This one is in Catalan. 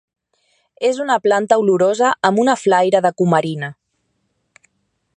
És una planta olorosa amb una flaire de cumarina.